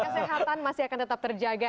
kesehatan masih akan tetap terjaga